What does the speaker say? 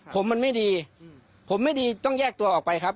ผมมันไม่ดีผมไม่ดีต้องแยกตัวออกไปครับ